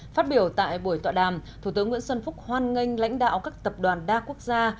phát biểu tại buổi tọa đàm thủ tướng nguyễn xuân phúc hoan nghênh lãnh đạo các tập đoàn đa quốc gia